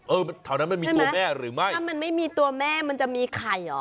แถวนั้นมันมีตัวแม่หรือไม่ถ้ามันไม่มีตัวแม่มันจะมีไข่เหรอ